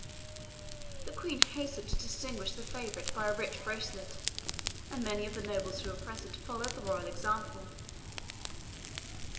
The Queen hastened to distinguish the favourite by a rich bracelet, and many of the nobles who were present followed the royal example.